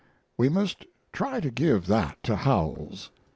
We must try to give that to Howells."